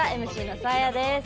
ＭＣのサーヤです。